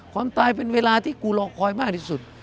ความตายเป็นเวลาที่กูรอคอยมากที่สุด